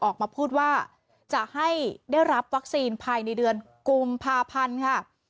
ออกมาพูดว่าจะให้ได้รับวัคซีนภายในเดือนกุมภาพันธ์ค่ะ